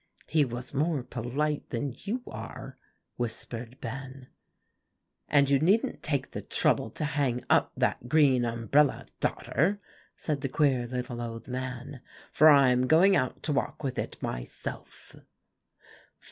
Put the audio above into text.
"He was more polite than you are," whispered Ben. "'And you needn't take the trouble to hang up that green umbrella, daughter,' said the queer little old man; 'for I am going out to walk with it myself.